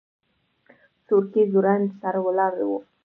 سورکی ځوړند سر ولاړ و.